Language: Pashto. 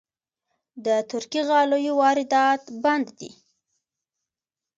د ترکي غالیو واردات بند دي؟